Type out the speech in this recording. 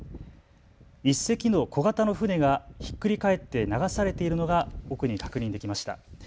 １隻の小型の船がひっくり返って流されているのが奥に確認できました。